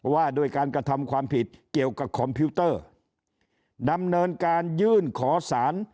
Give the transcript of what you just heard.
ว่าโดยการกระทำความผิดเกี่ยวกับคอมพิวเตอร์ดำเนินการยื่นขอสาร